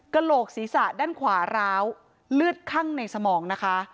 โหลกศีรษะด้านขวาร้าวเลือดคั่งในสมองนะคะ